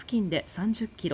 ３０ｋｍ